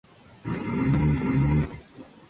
Así seguimos durante unas tres horas.